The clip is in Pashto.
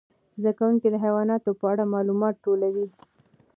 زده کوونکي د حیواناتو په اړه معلومات ټولوي.